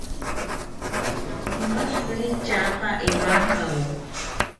Apimantziri tyaapa ewankawo